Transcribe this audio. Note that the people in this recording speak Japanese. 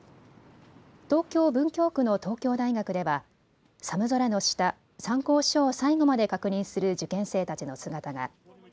東京文京区の東京大学では寒空の下、参考書を最後まで確認する受験生たちの姿が。